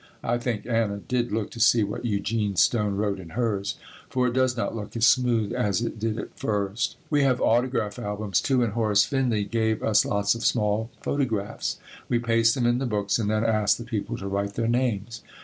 I think Anna did look to see what Eugene Stone wrote in hers, for it does not look as smooth as it did at first. We have autograph albums too and Horace Finley gave us lots of small photographs. We paste them in the books and then ask the people to write their names.